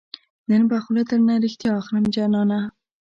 نن به خوله درنه ريښتیا اخلم جانانه